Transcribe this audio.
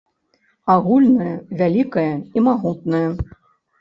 Агульнае, вялікае і магутнае.